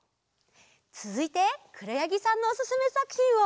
つづいてくろやぎさんのおすすめさくひんは？